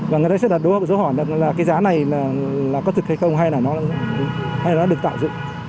và người ta sẽ đặt đối hợp dấu hỏi là cái giá này là có thực hay không hay là nó được tạo dựng